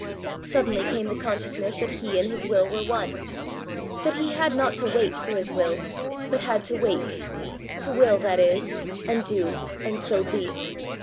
Suddenly came the consciousness that he and his will were one; that he had not to wait for his will, but had to wake to will, that is, and do, and so be.